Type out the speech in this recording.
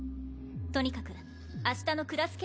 とにかく明日のクラス決議で